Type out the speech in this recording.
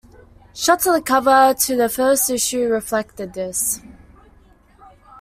Shots of the cover to the first issue reflected this.